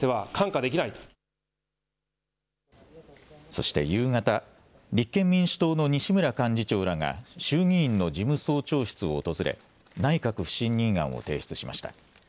そして夕方、立憲民主党の西村幹事長らが衆議院の事務総長室を訪れ内閣不信任案を提出しました。